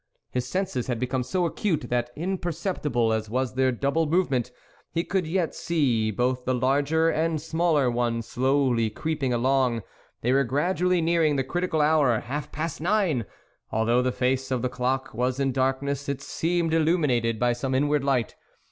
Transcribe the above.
His senses had become so acute, that, imperceptible as was their double move ment, he could yet see both the larger and smaller one slowly creeping along ; they were gradually nearing the critical hour ; half past nine ! Although the face of the clock was in darkness, it seemed illuminated by some inward light.